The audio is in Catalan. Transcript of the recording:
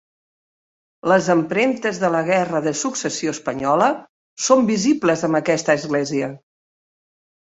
Les empremtes de la Guerra de Successió espanyola són visibles en aquesta església.